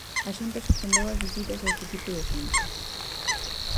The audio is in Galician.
A Xunta suspendeu as visitas a este tipo de centros...